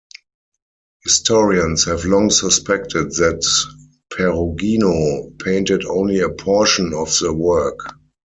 Historians have long suspected that Perugino painted only a portion of the work.